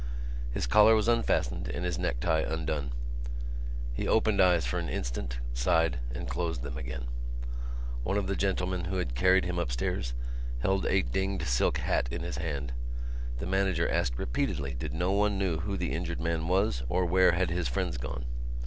His collar was unfastened and his necktie undone. He opened his eyes for an instant, sighed and closed them again. One of gentlemen who had carried him upstairs held a dinged silk hat in his hand. The manager asked repeatedly did no one know who the injured man was or where had his friends gone.